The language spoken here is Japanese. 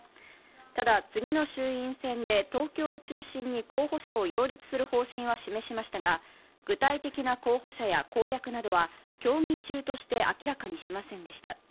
ただ、次の衆院選で東京を中心に候補者を擁立する方針は示しましたが、具体的な候補者や公約などは協議中として明らかにしませんでした。